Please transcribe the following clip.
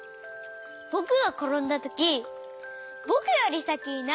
ぼくがころんだときぼくよりさきにないてました。